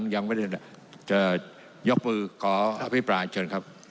ยังไม่ได้แล้วจะยกมือขออภิปราณช่วงครับ